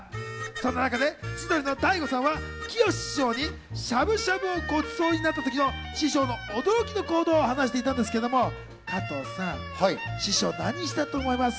そんな中で千鳥の大悟さんはきよし師匠にしゃぶしゃぶをごちそうになった時の師匠の驚きの行動を話していたんですけれども、加藤さん、師匠は何をしたと思います？